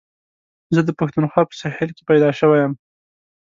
زه د پښتونخوا په سهېل کي پيدا شوی یم.